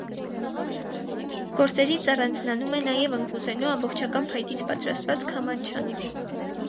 Գործերից առանձնանում է նաև ընկուզենու ամբողջական փայտից պատրաստած քամանչան։